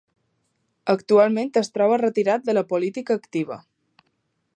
Actualment es troba retirat de la política activa.